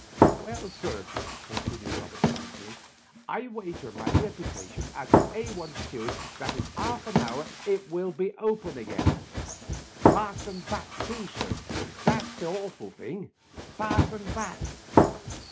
"Well, sir," continued Robert, triumphantly, "I wager my reputation as a Al steward, that in 'arf an hour it will be open again ; fastened back, too, sir, that's the horful thing — ^fastened back!"